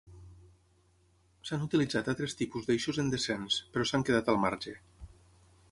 S'han utilitzat altres tipus d'eixos en descens, però s'han quedat al marge.